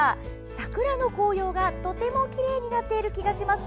桜の紅葉がとてもきれいになってる気がします。